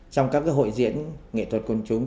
trong các hội diễn nghệ thuật công chúng